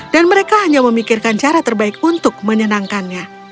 dan mereka hanya memikirkan cara terbaik untuk menyenangkannya